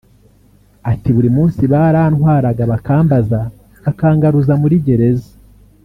Ati “Buri munsi barantwaraga bakambaza bakangaruza muri gereza